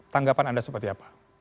tanggapan anda seperti apa